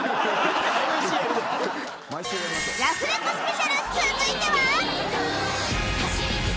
ラフレコスペシャル続いては